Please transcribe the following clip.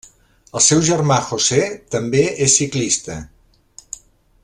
El seu germà José també és ciclista.